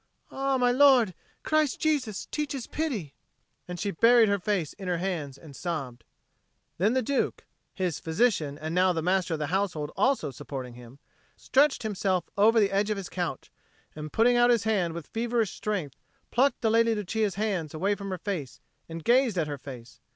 Ah, my lord, Christ Jesus teaches pity!" And she buried her face in her hands and sobbed. Then the Duke, his physician and now the Master of the Household also supporting him, stretched himself over the edge of his couch, and, putting out his hand with feverish strength, plucked the Lady Lucia's hands away from her face and gazed at her face.